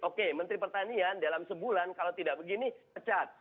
oke menteri pertanian dalam sebulan kalau tidak begini pecat